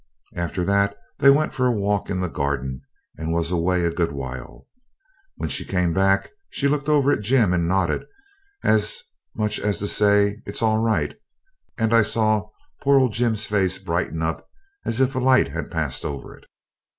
After that they went for a walk in the garden and was away a good while. When she came back she looked over at Jim and nodded, as much as to say, 'It's all right,' and I saw poor old Jim's face brighten up as if a light had passed over it.